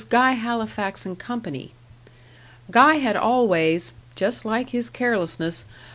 Guy Halifax and Co." Guy had always, "just like his carelessness!"